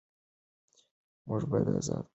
موږ باید ازاد واوسو.